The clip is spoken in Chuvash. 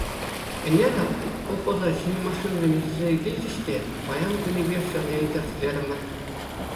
Ӗнер, ав, колхоза ҫӗнӗ машинӑсем илсе килчӗҫ те, паян кунӗпех ҫавсене тӗрӗслерӗмӗр.